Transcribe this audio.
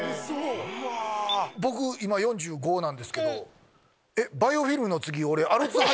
僕今４５なんですけど。